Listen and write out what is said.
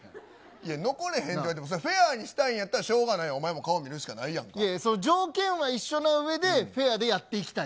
いや、残れへんっていわれてもフェアにしたいんやったらしょうがないわ、いやいや、条件は一緒のうえでフェアでやっていきたい。